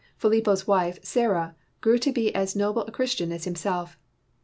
Philipo 's wife, Sarah, grew to be as noble a Christian as himself.